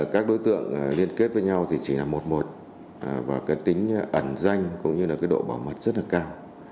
các đối tượng liên kết với nhau chỉ là một một và tính ẩn danh cũng như độ bảo mật rất cao